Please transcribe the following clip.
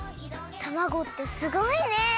たまごってすごいね！